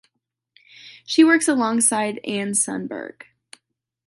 She works alongside Anne Sundberg.